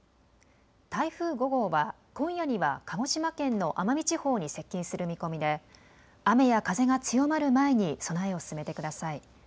台風５号は今夜には鹿児島県の奄美地方に接近する見込みで雨や風が強まる前に備えを進めてください。